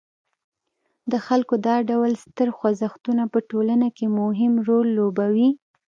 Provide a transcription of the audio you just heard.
د خلکو دا ډول ستر خوځښتونه په ټولنه کې مهم رول لوبوي.